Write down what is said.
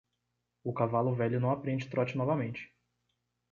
O cavalo velho não aprende trote novamente.